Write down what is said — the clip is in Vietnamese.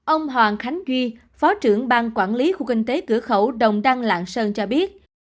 ông hoàng khánh duy phó trưởng bang quản lý khu kinh tế cửa khẩu đồng đăng lạng sơn cho biết